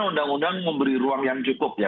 undang undang memberi ruang yang cukup ya